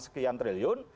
sebelas sekian triliun